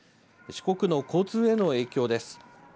四国の交通への影響です。